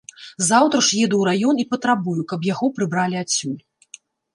Заўтра ж еду ў раён і патрабую, каб яго прыбралі адсюль.